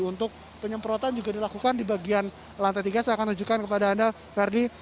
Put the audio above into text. untuk penyemprotan juga dilakukan di bagian lantai tiga saya akan tunjukkan kepada anda verdi